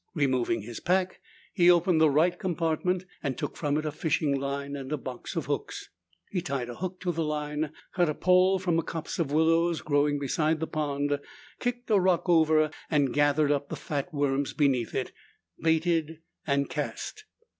Removing his pack, he opened the right compartment, and took from it a fishing line and a box of hooks. He tied a hook to the line, cut a pole from a copse of willows growing beside the pond, kicked a rock over and gathered up the fat worms beneath it, baited, and cast.